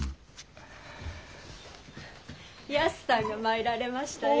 やすさんが参られましたよ。